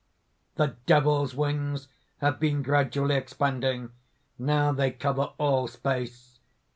(_The Devil's wings have been gradually expanding: now they cover all space.